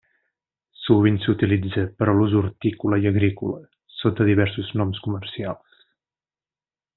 Sovint s'utilitza per a l'ús hortícola i agrícola sota diversos noms comercials.